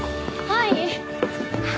はい！